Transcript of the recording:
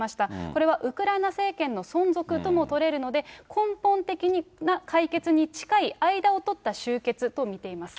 これはウクライナ政権の存続とも取れるので、根本的な解決に近い間を取った終結と見ています。